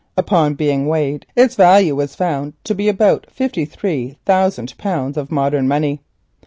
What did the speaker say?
Upon being weighed its value was found to be about fifty three thousand pounds of modern money.